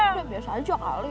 udah biasa aja kali